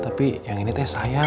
tapi yang ini teh saya